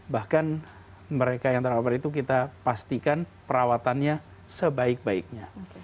bahkan mereka yang terpapar itu kita pastikan perawatannya sebaik baiknya